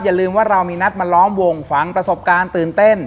อย่าลืมว่าเรามีนัดมาล้อมวงฝังประสบการณ์ตื่นเต้น